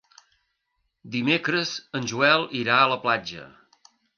Dimecres en Joel irà a la platja.